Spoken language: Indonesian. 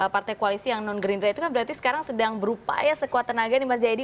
partai koalisi yang non gerindra itu kan berarti sekarang sedang berupaya sekuat tenaga nih mas jayadi